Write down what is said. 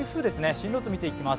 進路図、見ていきます。